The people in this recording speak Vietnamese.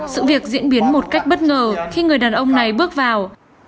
sự việc diễn biến một cách bất ngờ khi người đàn ông này bước vào